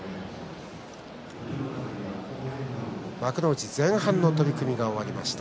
幕内前半の取組が終わりました。